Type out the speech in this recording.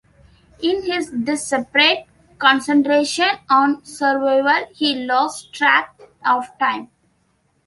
In his desperate concentration on survival, he loses track of time.